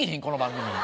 この番組。